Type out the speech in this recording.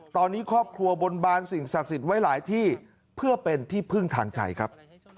ตอนนี้ครอบครัวบนบานสิ่งศักดิ์สิทธิ์ไว้หลายที่เพื่อเป็นที่พึ่งทางใจครับ